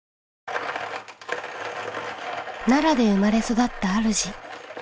奈良で生まれ育ったあるじ。